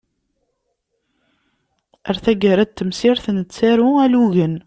Ɣer taggara n temsirt nettaru alugen.